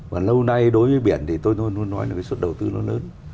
và lâu nay đối với biển thì tôi luôn nói là cái suất đầu tư nó lớn